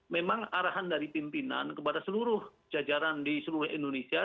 memang arahan dari pimpinan kepada seluruh jajaran di seluruh indonesia